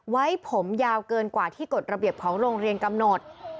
ไว้ผมยาวเกินกว่าที่กฎระเบียบของโรงเรียนกำหนด